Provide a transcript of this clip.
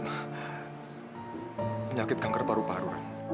menyakit kanker paru paru